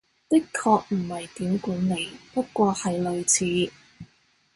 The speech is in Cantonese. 的確唔係點管理，不過係類似